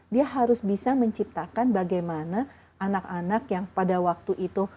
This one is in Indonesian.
dia harus bisa menciptakan bagaimana anak anak yang pada waktu itu